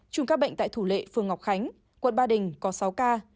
chùm các bệnh tại thủ lệ phường ngọc khánh quận ba đình có sáu ca